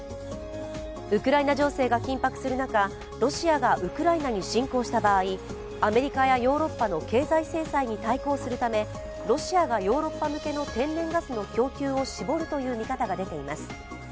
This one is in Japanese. ウクライナ情勢が緊迫する中、ロシアがウクライナに侵攻した場合アメリカやヨーロッパの経済制裁に対抗するためロシアがヨーロッパ向けの天然ガスの供給を絞るという見方が出ています。